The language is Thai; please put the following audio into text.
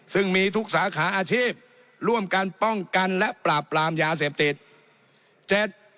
ซึ่งมีทุกสาขาอาชีพร่วมกันป้องกันและปราบปรามยาเสพติด